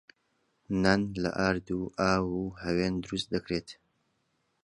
نان لە ئارد و ئاو و هەوێن دروست دەکرێت.